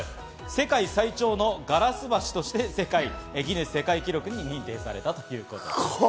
世界最長のガラス橋としてギネス世界記録にも認定されたということです。